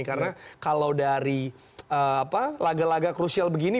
karena kalau dari laga laga krusial begini